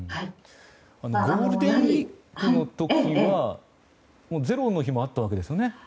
ゴールデンウィークにはゼロの日もあったわけですね。